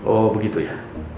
oh begitu ya